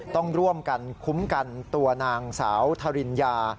ต้องร่วมกันคุ้มกันตัวนางสาวทริญญา